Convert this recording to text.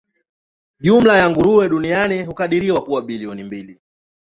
Jumla ya nguruwe duniani hukadiriwa kuwa bilioni mbili.